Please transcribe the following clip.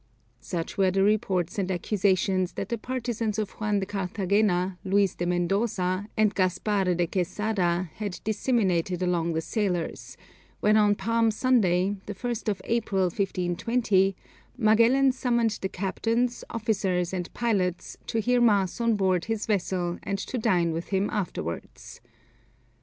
Such were the reports and accusations that the partisans of Juan de Carthagena, Luis de Mendoza, and Gaspar de Quesada had disseminated among the sailors, when on Palm Sunday, the 1st of April, 1520, Magellan summoned the captains, officers, and pilots, to hear mass on board his vessel and to dine with him afterwards.